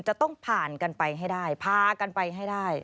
จะต้องผ่านกันไปให้ได้พากันไปให้ได้